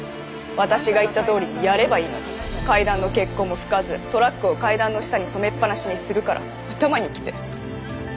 私が言ったとおりにやればいいのに階段の血痕も拭かずトラックを階段の下に止めっぱなしにするから頭にきて。